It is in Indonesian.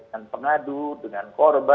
dengan pengadu dengan korban